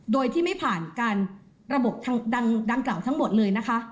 โดยที่ไม่ผ่านการระบบดังกล่าวทั้งหมดเลยนะคะ